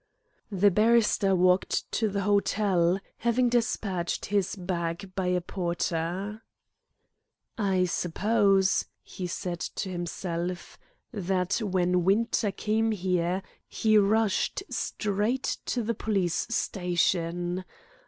The barrister walked to the hotel, having despatched his bag by a porter. "I suppose," he said to himself, "that when Winter came here he rushed straight to the police station.